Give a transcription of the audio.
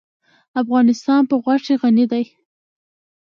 افغانستان په غوښې غني دی.